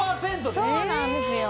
そうなんですよ